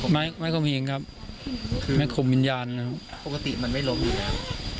ไม้ไม่คมเองครับไม่คมวิญญาณนะครับปกติมันไม่ล้มอยู่แล้ว